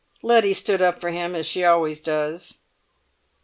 Letty stood up for him, as she always does."